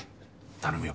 頼むよ。